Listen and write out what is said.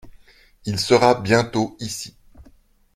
Il sera bientôt ici.